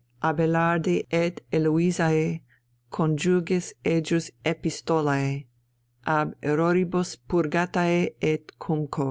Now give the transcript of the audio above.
Abaelardi et Heloisae conjugis ejus Epistolae, ab erroribus purgatae et cum codd.